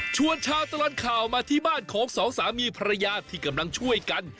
ชาวตลอดข่าวมาที่บ้านของสองสามีภรรยาที่กำลังช่วยกัน